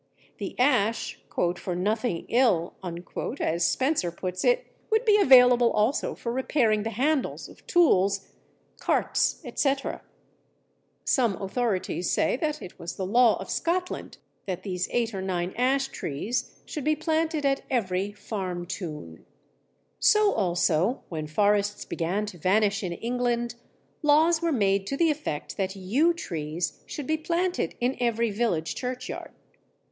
The ash, "for nothing ill," as Spenser puts it, would be available also for repairing the handles of tools, carts, etc. Some authorities say that it was the law of Scotland that these eight or nine ash trees should be planted at every "farmtoon." So also, when forests began to vanish in England, laws were made to the effect that yew trees should be planted in every village churchyard.